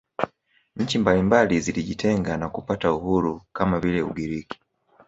Nchi mbalimbali zilijitenga na kupata uhuru kama vile Ugiriki